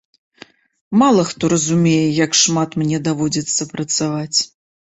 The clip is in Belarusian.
Мала хто разумее, як шмат мне даводзіцца працаваць.